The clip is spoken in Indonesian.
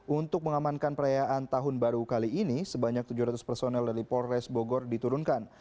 untuk mengamankan perayaan tahun baru kali ini sebanyak tujuh ratus personel dari polres bogor diturunkan